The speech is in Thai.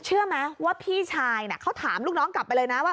เชื่อไหมว่าพี่ชายเขาถามลูกน้องกลับไปเลยนะว่า